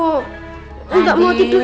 mungkin nyetrum sama mbak andien kali ya bu